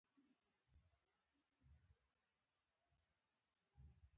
خو د پیغمبر په خاطر یې قدر وکړئ.